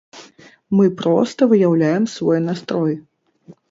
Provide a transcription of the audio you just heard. Мы проста выяўляем свой настрой.